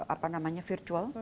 apa namanya virtual